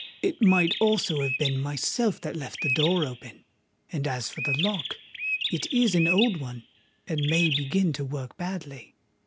It might also have been myself that left the door open;—and as for the lock—it is an old one, and may begin to work badly.